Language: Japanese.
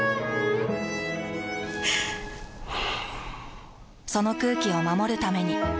ふぅその空気を守るために。